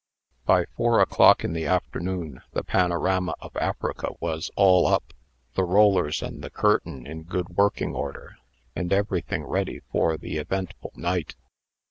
By four o'clock in the afternoon the Panorama of Africa was all up, the rollers and the curtain in good working order, and everything ready for the eventful night.